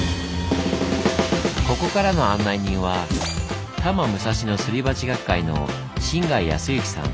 ここからの案内人は多摩武蔵野スリバチ学会の真貝康之さん。